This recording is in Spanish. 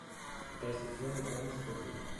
Precision y Denis Buckley.